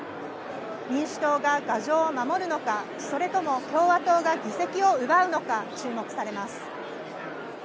民主党が牙城を守るのか、それとも共和党が議席を奪うのか注目されます。